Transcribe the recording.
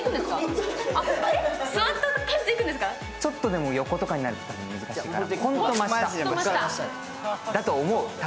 ちょっとでも横になると難しいから。